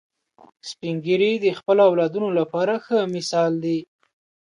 سپین ږیری د خپلو اولادونو لپاره ښه مثال دي